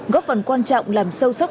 góp phần quan trọng làm sâu sắc